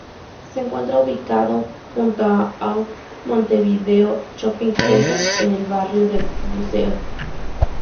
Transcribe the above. Se encuentra ubicado junto a Montevideo Shopping Center en el barrio del Buceo.